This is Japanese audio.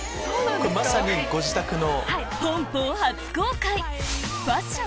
まさにご自宅の。